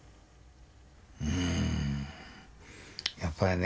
うんやっぱりね